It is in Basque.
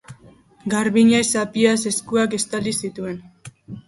Garbiñek zapiaz eskuak estali zituen.